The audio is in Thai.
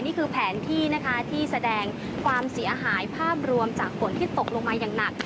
นี่คือแผนที่นะคะที่แสดงความเสียหายภาพรวมจากฝนที่ตกลงมาอย่างหนัก